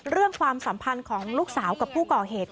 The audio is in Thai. ความสัมพันธ์ของลูกสาวกับผู้ก่อเหตุ